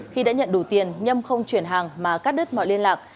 khi đã nhận đủ tiền nhâm không chuyển hàng mà cắt đứt mọi liên lạc